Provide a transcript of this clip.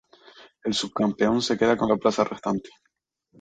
El subcampeón se queda con la plaza restante.